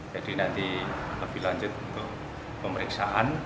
nanti lebih lanjut untuk pemeriksaan